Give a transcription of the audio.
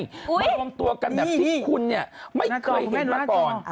มองตัวกันแบบที่คุณไม่เคยเห็นมาก่อน